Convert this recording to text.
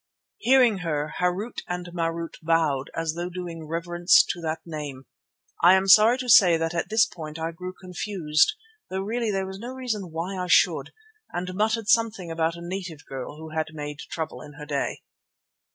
Hearing her, Harût and Marût bowed as though doing reverence to that name. I am sorry to say that at this point I grew confused, though really there was no reason why I should, and muttered something about a native girl who had made trouble in her day.